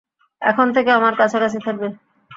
এখন থেকে আমার কাছাকাছি থাকবে।